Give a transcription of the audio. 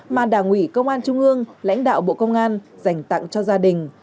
mà đảng ủy công an trung ương lãnh đạo bộ công an dành tặng cho gia đình